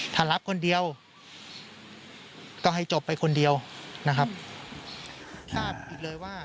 ถ้ารับคนเดียวก็ให้จบไปคนเดียวนะครับ